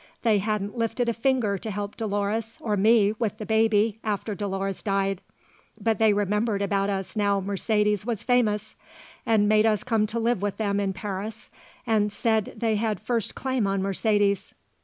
They hadn't lifted a finger to help Dolores, or me with the baby after Dolores died; but they remembered about us now Mercedes was famous and made us come to live with them in Paris and said they had first claim on Mercedes.